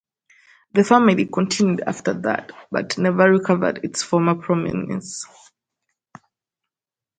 The family continued after that, but never recovered its former prominence.